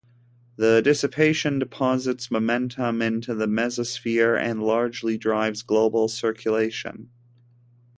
This dissipation deposits momentum into the mesosphere and largely drives global circulation.